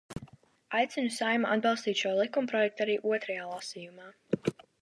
Aicinu Saeimu atbalstīt šo likumprojektu arī otrajā lasījumā.